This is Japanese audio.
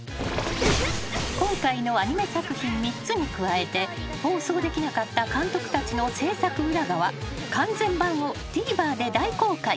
［今回のアニメ作品３つに加えて放送できなかった監督たちの制作裏側完全版をＴＶｅｒで大公開］